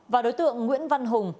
và đối tượng nguyễn văn hùng